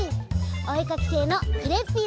おえかきせいのクレッピーだよ！